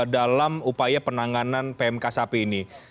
dalam upaya penanganan pmk sapi ini